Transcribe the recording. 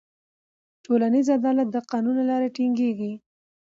ټولنیز عدالت د قانون له لارې ټینګېږي.